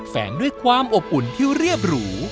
แสงด้วยความอบอุ่นที่เรียบหรู